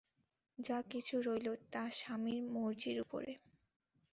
যা-কিছু রইল তা স্বামীর মর্জির উপরে।